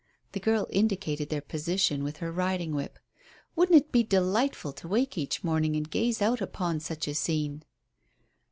The girl indicated their position with her riding whip. "Wouldn't it be delightful to wake each morning and gaze out upon such a scene?"